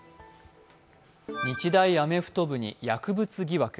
日大アメフト部に薬物疑惑。